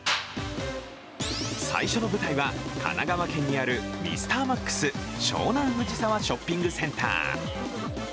最初の舞台は神奈川県にあるミスターマックス湘南藤沢ショッピングセンター。